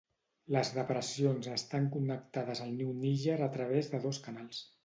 Les depressions estan connectades al riu Níger a través de dos canals.